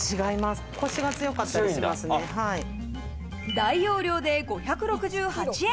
大容量で５６８円。